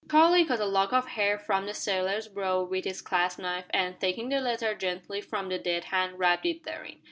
Charlie cut a lock of hair from the sailor's brow with his clasp knife, and, taking the letter gently from the dead hand, wrapped it therein.